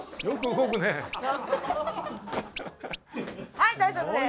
はい大丈夫です。